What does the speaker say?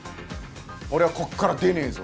俺はここから出ねえぞ。